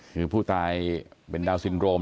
คือผู้ตายเป็นดาวนซินโรม